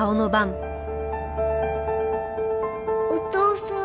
お父さん。